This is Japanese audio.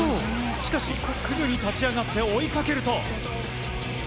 しかしすぐに立ち上がって追いかけると。